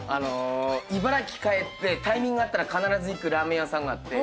茨城帰ってタイミング合ったら必ず行くラーメン屋さんがあって。